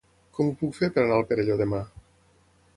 Com ho puc fer per anar al Perelló demà?